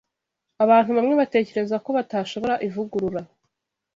Abantu bamwe batekereza ko batashobora ivugurura